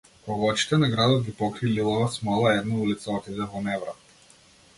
Кога очите на градот ги покри лилава смола една улица отиде во неврат.